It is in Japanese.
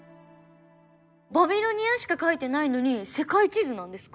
バビロニアしか描いてないのに世界地図なんですか？